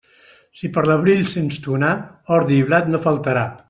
Si per l'abril sents tronar, ordi i blat no faltarà.